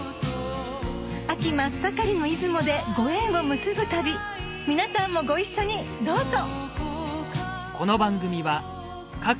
秋真っ盛りの出雲でご縁を結ぶ旅皆さんもご一緒にどうぞ！